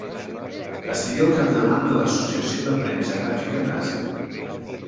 Estigué al capdavant de l'Associació de Premsa Gràfica Nazi.